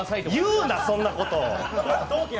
言うな、そんなこと。